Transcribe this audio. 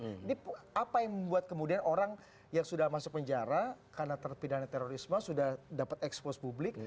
ini apa yang membuat kemudian orang yang sudah masuk penjara karena terpidana terorisme sudah dapat expose publik